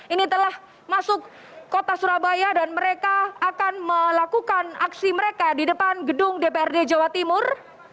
ini telah masuk kota surabaya dan mereka akan melakukan aksi mereka di depan gedung dprd jawa timur